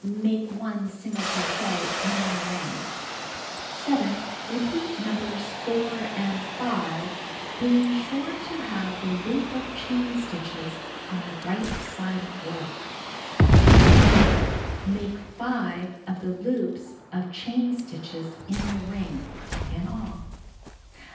Make I single crochet in the ring. 7. Pepeat Nos. 4 antl 5, being sure to ha\ e Hie loop of chain stitciies on the right side of work. S. Make 5 of the loops of chain stitches in the ring (in all).